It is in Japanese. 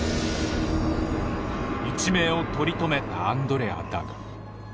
一命を取り留めたアンドレアだが。